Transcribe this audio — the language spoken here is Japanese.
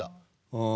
うん。